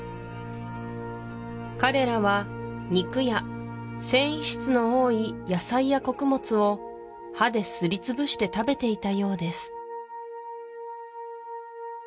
彼らは肉や繊維質の多い野菜や穀物を歯ですりつぶして食べていたようです